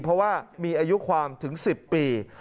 เพราะว่ามีอายุความถึง๑๐ปี